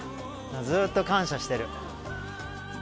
ずっと感謝してる。